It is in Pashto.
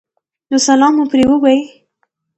نو سلام مو پرې ووې